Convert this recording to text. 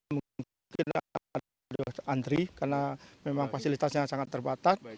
mungkin ada antri karena memang fasilitasnya sangat terbatas